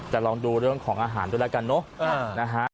จะลองดูเรื่องของอาหารดูซะละกันเนาะ